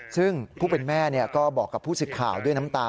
ซึ่งผู้เป็นแม่ก็บอกกับผู้สิทธิ์ข่าวด้วยน้ำตา